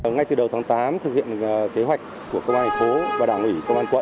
ngay từ đầu tháng tám thực hiện kế hoạch của công an thành phố và đảng ủy công an quận